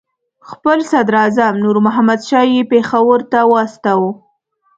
خپل صدراعظم نور محمد شاه یې پېښور ته واستاوه.